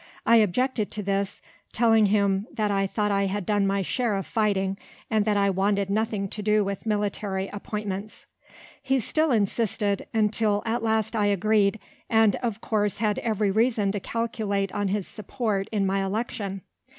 I objected to this, telling him that I thought I had done my share of fighting, and that I wanted nothing to do with military appointments. He still insisted, until at last I agreed, and of course had every reason to calculate on his support in my election.